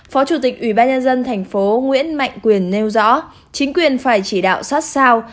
phó chủ tịch ủy ban nhân dân thành phố nguyễn mạnh quyền nêu rõ chính quyền phải chỉ đạo sát sao